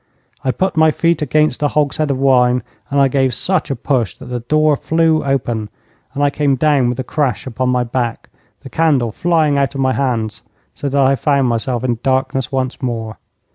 I put my feet against a hogshead of wine, and I gave such a push that the door flew open and I came down with a crash upon my back, the candle flying out of my hands, so that I found myself in darkness once more.